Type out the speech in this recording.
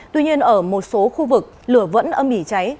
tuy nhiên ở một số khu vực lửa vẫn âm ỉ cháy